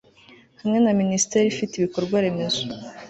hamwe na minisiteri ifite ibikorwa remezo